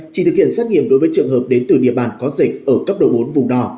chỉ thực hiện xét nghiệm đối với trường hợp đến từ địa bàn có dịch ở cấp độ bốn vùng đỏ